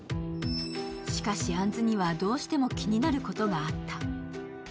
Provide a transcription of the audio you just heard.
しかし、杏子にはどうしても気になることがあった。